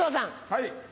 はい。